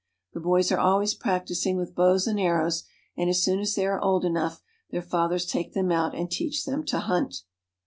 The boys are always practicing with bows and arrows, and, as soon as they are old enough, their fathers take them out and teach them to hunt.